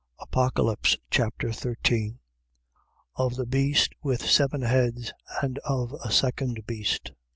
Apocalypse Chapter 13 Of the beast with seven heads and of a second beast.